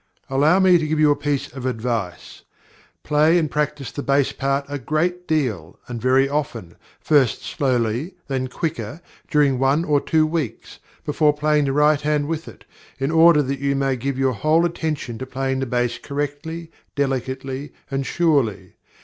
Allow me to give you a piece of advice. Play and practise the bass part a great deal and very often, first slowly, then quicker, during one or two weeks, before playing the right hand with it, in order that you may give your whole attention to playing the bass correctly, delicately, and surely.